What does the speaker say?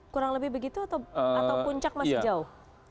kurang lebih begitu atau puncak masih jauh